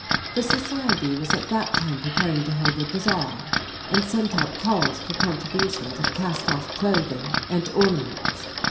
The Society was at that time preparing to hold a bazaar and sent out calls for contributions of cast off clothing and ornaments.